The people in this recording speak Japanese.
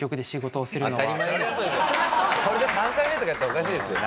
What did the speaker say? これで３回目とかだったらおかしいですよ。